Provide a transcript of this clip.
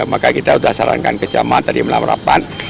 maka kita sudah sarankan ke jaman tadi melamarapan